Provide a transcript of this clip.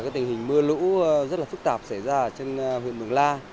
tình hình mưa lũ rất phức tạp xảy ra trên huyện mường la